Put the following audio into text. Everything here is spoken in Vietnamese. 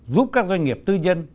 giúp các doanh nghiệp tư nhân